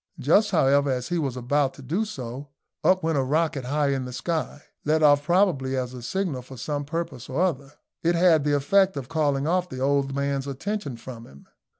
Just, however, as he was about to do so up went a rocket high into the sky, let off probably as a signal for some purpose or other. It had the effect of calling off the old man's attention from him.